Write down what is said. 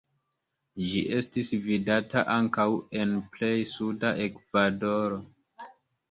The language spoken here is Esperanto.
Ĝi estis vidata ankaŭ en plej suda Ekvadoro.